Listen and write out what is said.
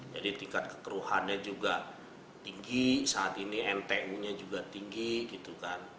jadi tingkat kekeruhannya juga tinggi saat ini ntu nya juga tinggi gitu kan